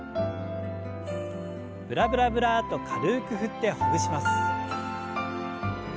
ブラブラブラッと軽く振ってほぐします。